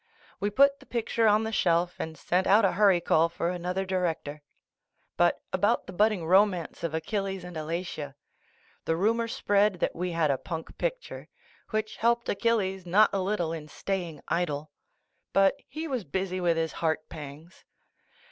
We put the picture on the shelf and sent out a hurry call for another director. DUT about the budding romance of *' Achilles and Alatia : The rumor spread that we had a punk picture — which helped Achilles not a little in staying idle. But he was busy with his heart pangs.